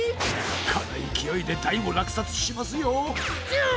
このいきおいで大もらくさつしますよ！